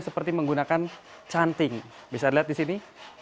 seperti menggunakan canting bisa dilihat di sini